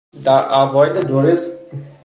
در اوایل دوران سناتوری او